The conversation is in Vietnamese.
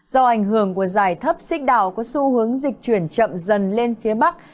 do ảnh hưởng của dài thấp xích đảo có xu hướng dịch chuyển chậm dần lên phía bắc